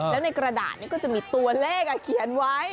แล้วในกระดาษนี้ก็จะมีตัวเลขเขียนไว้